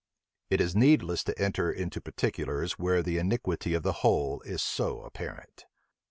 It is needless to enter into particulars where the iniquity of the whole is so apparent.